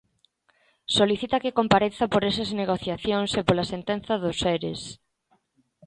Solicita que compareza por estas negociacións e pola sentenza dos eres.